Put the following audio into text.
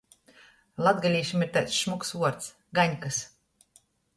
Latgalīšim ir taids šmuks vuords – gaņkys.